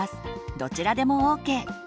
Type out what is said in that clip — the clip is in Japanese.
どちらでもＯＫ。